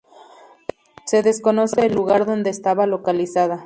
Se desconoce el lugar donde estaba localizada.